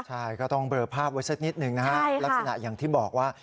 ใช่ก็ต้องเบลอภาพไว้สักนิดหนึ่งนะฮะลักษณะอย่างที่บอกว่า